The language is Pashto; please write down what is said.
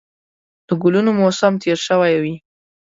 د ګلونو موسم تېر شوی وي